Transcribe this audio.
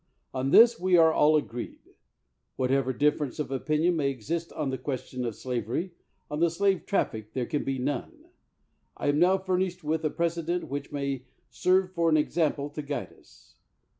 On this we are all agreed. Whatever difference of opinion may exist on the question of slaver^', on the slave traffic there can be none. I am now furnished with a precedent which may serve for an example to guide us.